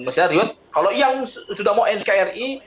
maksudnya reward kalau yang sudah mau nkri